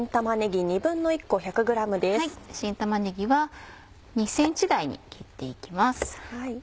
新玉ねぎは２ｃｍ大に切っていきます。